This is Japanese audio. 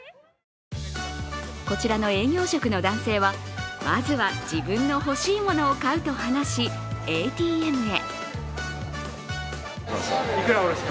こちらの営業職の男性はまずは自分の欲しいものを買うと話し、ＡＴＭへ。